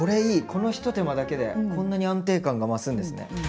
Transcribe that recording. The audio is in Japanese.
このひと手間だけでこんなに安定感が増すんですね。